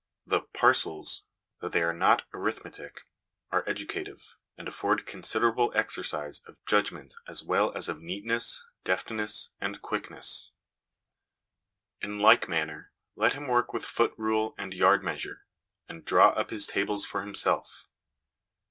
The parcels, though they are not arithmetic, are educative, and afford considerable exercise of judg ment as well as of neatness, deftness, and quickness. In like manner, let him work with foot rule and yard measure, and draw up his tables for himself.